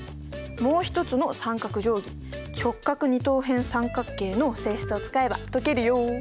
もう一つの三角定規直角二等辺三角形の性質を使えば解けるよ！